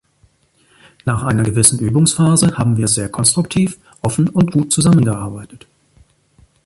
Nach einer gewissen Übungsphase haben wir sehr konstruktiv, offen und gut zusammengearbeitet.